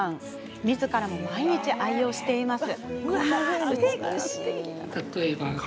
みずからも毎日愛用しています。